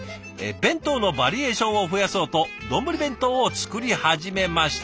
「弁当のバリエーションを増やそうとどんぶり弁当を作り始めました」。